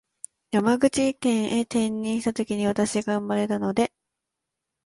山口県へ転任したときに私が生まれたので